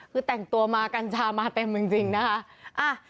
คือแต่งตัวมากัญชามาเต็มจริงนะคะ